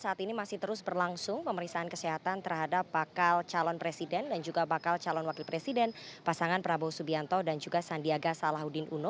saat ini masih terus berlangsung pemeriksaan kesehatan terhadap bakal calon presiden dan juga bakal calon wakil presiden pasangan prabowo subianto dan juga sandiaga salahuddin uno